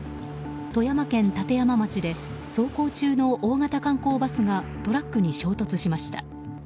富山県立山町で走行中の大型観光バスがトラックに衝突しました。